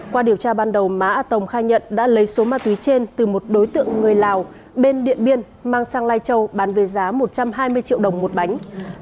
qua điều tra ban đầu má a tồng khai nhận đã lấy số ma túy trên từ một đối tượng người lào bên điện biên mang sang lai châu bán về giá một trăm hai mươi triệu đồng một bánh